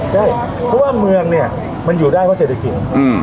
ใช่เพราะว่าเมืองเนี่ยมันอยู่ได้เพราะเศรษฐกิจ